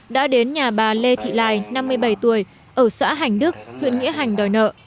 đã đến nhà bà lê thị lài năm mươi bảy tuổi ở xã hành đức huyện nghĩa hành đòi nợ